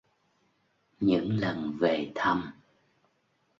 Những lần về thăm